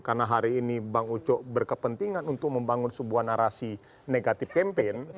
karena hari ini bang uco berkepentingan untuk membangun sebuah narasi negatif campaign